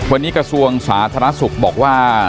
วันนี้กระทรวงสาธารณสุขบอกว่า